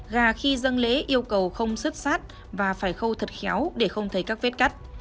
gà khi dâng lễ yêu cầu không xuất sát và phải khâu thật khéo để không thấy các vết cắt